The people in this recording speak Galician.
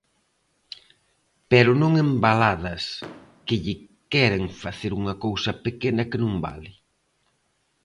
Pero non en Valadas, que lle queren facer unha cousa pequena que non vale.